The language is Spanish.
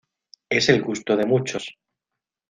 Es el gusto de muchos.